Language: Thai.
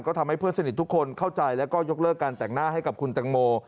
ก็ทำให้เพื่อนสนิททุกคนเข้าใจแล้วก็ยกเลิกการแต่งหน้าให้กับคุณตังโม